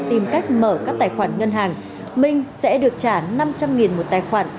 tìm cách mở các tài khoản ngân hàng minh sẽ được trả năm trăm linh một tài khoản